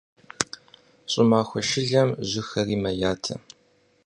ЩӀымахуэ шылэм жьыхэри мэятэ.